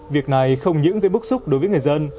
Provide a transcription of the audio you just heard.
việc này không những gây bức xúc đối với người dân